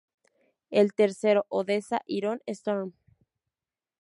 El tercero, ""Odessa, Iron Storm!